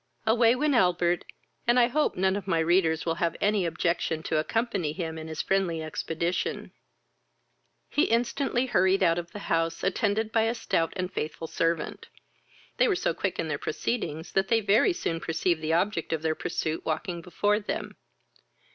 Away went Albert, and I hope none of my readers will have any objection to accompany him in his friendly expedition. He instantly hurried out of the house, attended by a stout and faithful servant. They were so quick in their proceedings, that they very soon perceived the object of their pursuit walking before them.